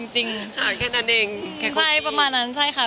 จริงค่ะแค่นั้นเองใช่ประมาณนั้นใช่ค่ะ